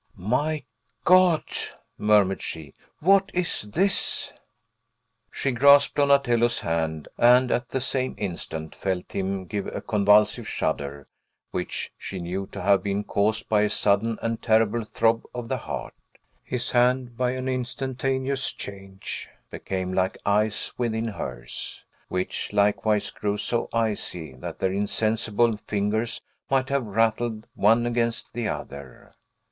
"My God!" murmured she. "What is this?" She grasped Donatello's hand, and, at the same instant, felt him give a convulsive shudder, which she knew to have been caused by a sudden and terrible throb of the heart. His hand, by an instantaneous change, became like ice within hers, which likewise grew so icy that their insensible fingers might have rattled, one against the other.